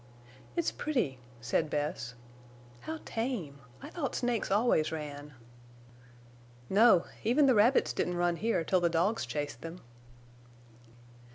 "It's pretty," said Bess. "How tame! I thought snakes always ran." "No. Even the rabbits didn't run here till the dogs chased them."